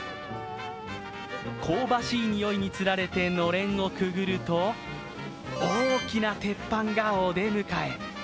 香ばしい匂いにつられて、のれんをくぐると、大きな鉄板がお出迎え。